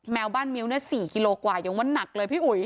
แววบ้านมิ้ว๔กิโลกว่ายังว่านักเลยพี่อุ๋ย